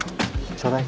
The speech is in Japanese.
ちょうだい。